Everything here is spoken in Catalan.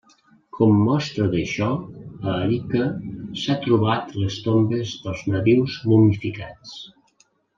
Com mostra d'això, a Arica s'han trobat les tombes dels nadius momificats.